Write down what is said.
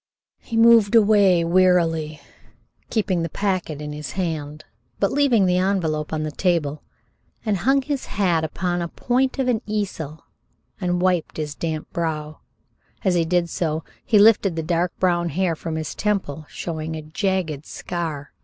He moved wearily away, keeping the packet in his hand, but leaving the envelope on the table, and hung his hat upon a point of an easel and wiped his damp brow. As he did so, he lifted the dark brown hair from his temple, showing a jagged scar.